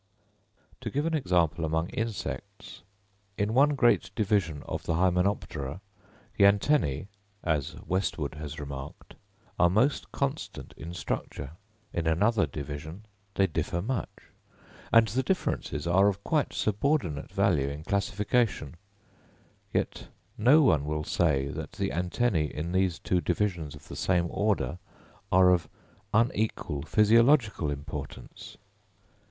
To give an example among insects: in one great division of the Hymenoptera, the antennæ, as Westwood has remarked, are most constant in structure; in another division they differ much, and the differences are of quite subordinate value in classification; yet no one will say that the antennæ in these two divisions of the same order are of unequal physiological importance.